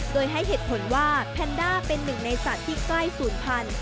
โดยให้เหตุผลว่าแพนด้าเป็นหนึ่งในสัตว์ที่ใกล้๐๐๐๐